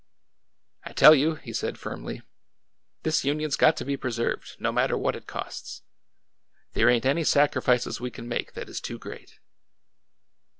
I tell you," he said firmly, this Union's got to be preserved, no matter what it costs ! There ain't any sac rifices we can make that is too great